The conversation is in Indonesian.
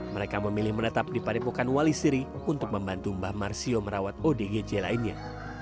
mereka memilih menetap di padepokan wali siri untuk membantu mbah marsio merawat odgj lainnya